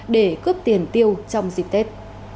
để cướp tiền tiêu trong dịp tết